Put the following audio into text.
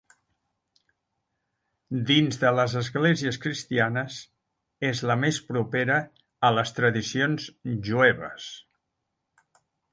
Dins de les esglésies cristianes és la més propera a les tradicions jueves.